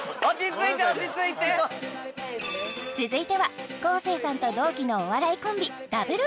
続いては昴生さんと同期のお笑いコンビダブル